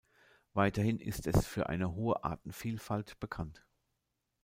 Weiterhin ist es für eine hohe Artenvielfalt bekannt.